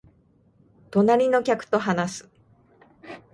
隣の客と話す